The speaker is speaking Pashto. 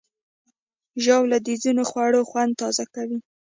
ژاوله د ځینو خوړو خوند تازه کوي.